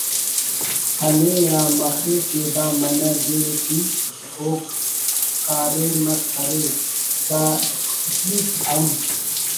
کنے آ مخے کہ دا منہ دے ئی ءُ کاریم اس کرے دا ہیت ہم